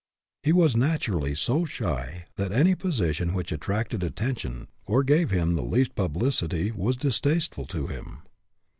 He was naturally so shy that any position which attracted attention or gave him the least pub licity was distasteful to him.